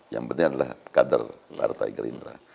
yang penting adalah kader partai gerindra